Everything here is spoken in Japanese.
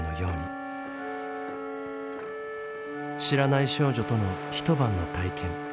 知らない少女とのひと晩の体験。